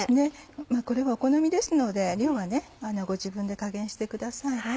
これはお好みですので量は自分で加減してください。